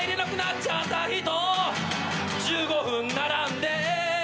「１５分並んで」